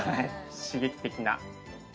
刺激的な。